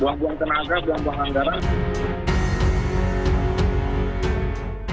buang buang tenaga buang buang anggaran